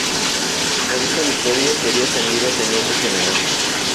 Por esta victoria sería ascendido a teniente general.